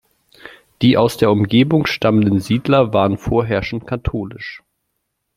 Die aus der Umgebung stammenden Siedler waren vorherrschend katholisch.